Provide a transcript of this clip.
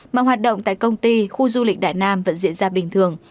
mà hoạt động tại công ty khu du lịch đại nam vẫn diễn ra bình thường